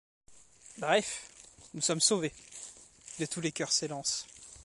Bref, nous sommes sauvés. De tous les coeurs s'élance